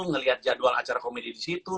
ngelihat jadwal acara komedi di situ